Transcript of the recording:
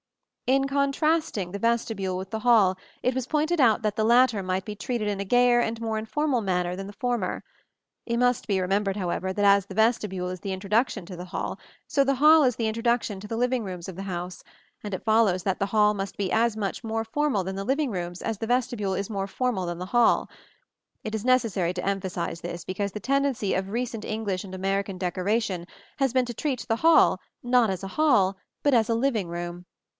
In contrasting the vestibule with the hall, it was pointed out that the latter might be treated in a gayer and more informal manner than the former. It must be remembered, however, that as the vestibule is the introduction to the hall, so the hall is the introduction to the living rooms of the house; and it follows that the hall must be as much more formal than the living rooms as the vestibule is more formal than the hall. It is necessary to emphasize this because the tendency of recent English and American decoration has been to treat the hall, not as a hall, but as a living room.